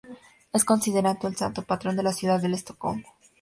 Es considerado el santo patrón de la ciudad de Estocolmo.